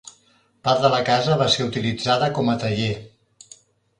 Part de la casa va ser utilitzada com a taller.